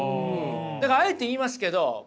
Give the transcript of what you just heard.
だからあえて言いますけど小林さん。